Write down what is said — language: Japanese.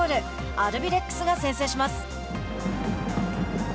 アルビレックスが先制します。